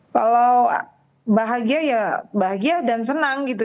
kalau bahagia ya bahagia dan senang gitu